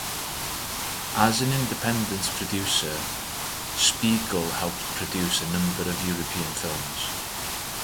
As an independent producer, Spiegel helped produce a number of European films.